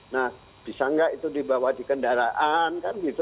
nah bisa nggak itu dibawa di kendaraan kan gitu